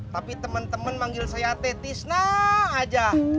tapi teman teman manggil saya tetisna aja